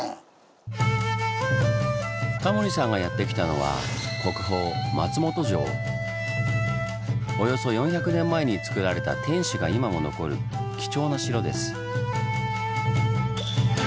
タモリさんがやって来たのはおよそ４００年前につくられた天守が今も残る貴重な城です。